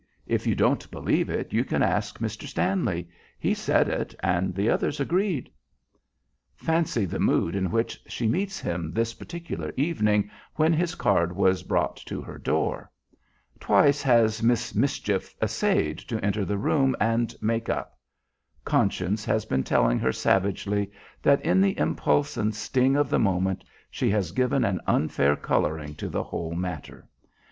If you don't believe it, you can ask Mr. Stanley. He said it, and the others agreed." Fancy the mood in which she meets him this particular evening, when his card was brought to her door. Twice has "Miss Mischief" essayed to enter the room and "make up." Conscience has been telling her savagely that in the impulse and sting of the moment she has given an unfair coloring to the whole matter.